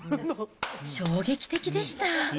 衝撃的でした。